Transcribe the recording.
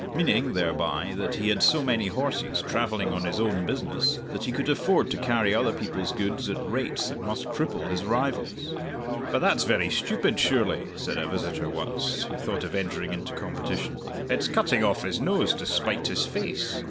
meaning thereby that he had so many horses travelling on his own business, that he could afford to carry other people's goods at rates that must cripple his rivals. "But that's very stupid, surely," said a visitor once, who thought of entering into competition. "It's cutting off his nose to spite his face!